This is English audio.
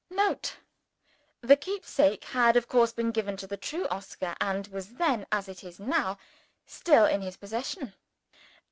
[Note. The keepsake had of course been given to the true Oscar, and was then, as it is now, still in his possession.